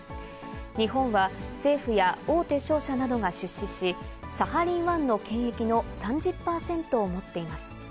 日本は政府や大手商社などが出資し、サハリン１の権益の３０％を持っています。